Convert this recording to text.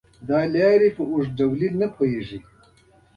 دا لارې په اوږدوالي نه پوهېږي .